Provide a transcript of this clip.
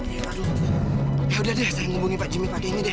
ya udah deh saya menghubungi pak jimmy pakai ini deh